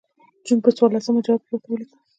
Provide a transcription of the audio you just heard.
جون پر څوارلسمه جواب کې ورته ولیکل.